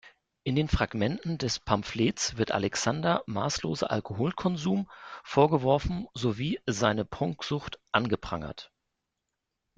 In den Fragmenten des Pamphlets wird Alexander maßloser Alkoholkonsum vorgeworfen sowie seine Prunksucht angeprangert.